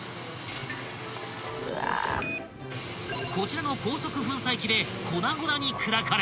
［こちらの高速粉砕機で粉々に砕かれ］